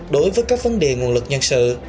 đối với các vấn đề nguồn lực nhân sự